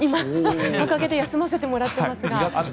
木陰で休ませてもらっていますが。